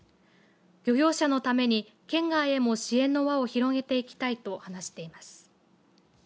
漁業者のために県外へも支援の輪を広げていきたいと話しています。